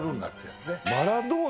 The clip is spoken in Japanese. マラドーナ？